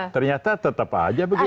ternyata tetap aja begitu